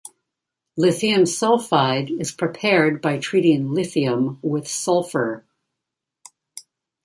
Lithium sulfide is prepared by treating lithium with sulfur.